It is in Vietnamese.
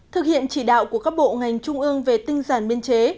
thực hiện chỉ đạo của các bộ ngành trung ương về tinh giản biên chế